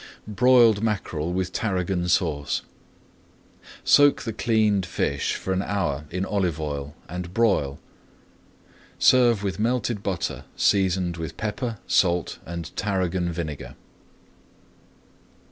BROILED MACKEREL WITH TARRAGON SAUCE Soak the cleaned fish for an hour in olive oil, and broil. Serve with melted butter seasoned with pepper, salt, and tarragon vinegar.